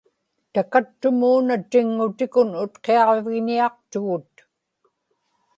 takattumuuna tiŋŋutikun Utqiaġvigñiaqtugut